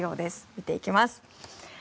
見ていきます。